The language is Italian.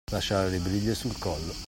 Lasciare le briglie sul collo.